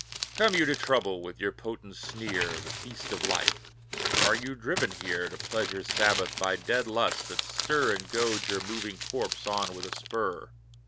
Come you to trouble with your potent sneer The feast of Life! or are you driven here, To Pleasure's Sabbath, by dead lusts that stir And goad your moving corpse on with a spur?